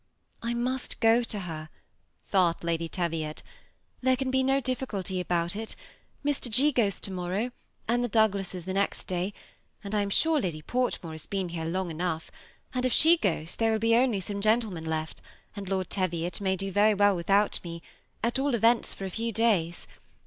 *'I must go to her," thought Lady Teviot; 'Hhere can be no difficulty about it Mr. G. goes to morrow, and the Douglases the next day, and I am sure Lady Port more has been here long enough, and if she goes, there will only be some gentlemen left ; and Lord Teviot may do very well without me, at all events, for a few days.